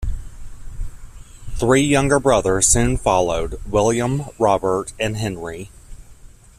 Three younger brothers soon followed: William, Robert, and Henry.